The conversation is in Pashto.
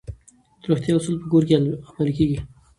د روغتیا اصول په کور کې عملي کیږي.